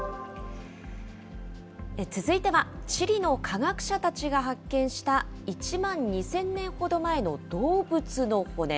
続いてはチリの科学者たちが発見した１万２０００年ほど前の動物の骨。